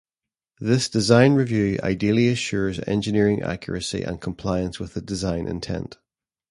This design review ideally assures engineering accuracy and compliance with the design intent.